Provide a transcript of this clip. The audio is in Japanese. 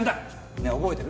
ねえ覚えてる？